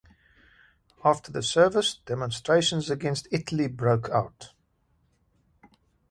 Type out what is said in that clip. After the service, demonstrations against Italy broke out.